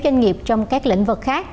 doanh nghiệp trong các lĩnh vực khác